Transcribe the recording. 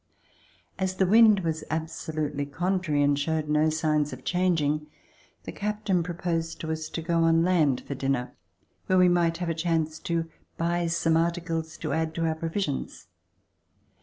As the wind was absolutely contrary and showed C 178 1 voyac;e to boston no signs of changing, the captain proposed to us to go on land tor dinner, where we might have a chance to buy some articles to add to our provisions.